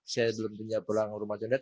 saya belum punya pulang rumah condet